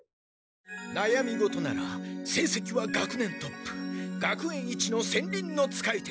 なやみごとならせいせきは学年トップ学園一の戦輪の使い手